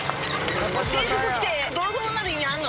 制服着て、どろどろになる意味あんの？